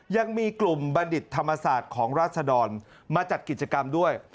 ยังมีกลุ่มบัณฑิตธรรมศาสตร์ของราศดรมาจัดกิจกรรมด้วย